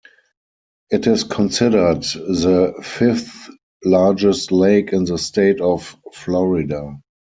It is considered the fifth largest lake in the state of Florida.